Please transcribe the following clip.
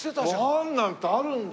ＶＡＮなんてあるんだ。